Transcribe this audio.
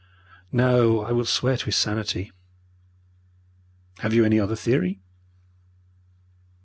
"No, I will swear to his sanity." "Have you any other theory?"